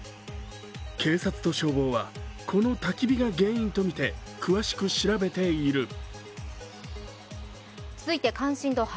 警察と消防は、このたき火が原因とみて、詳しく調べている。